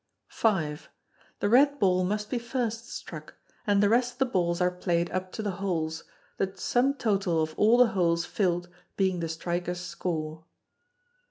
v. The red ball must be first struck; and the rest of the balls are played up to the holes, the sum total of all the holes filled being the striker's score.